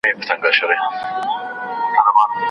که کمره وي نو انځور نه هیریږي.